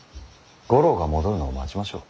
五郎が戻るのを待ちましょう。